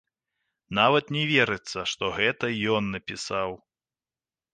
Нават не верыцца, што гэта ён напісаў.